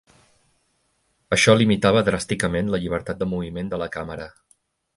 Això limitava dràsticament la llibertat de moviment de la càmera.